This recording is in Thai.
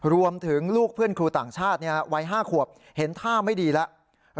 รวมถึงลูกเพื่อนครูต่างชาติวัย๕ขวบเห็นท่าไม่ดีแล้ว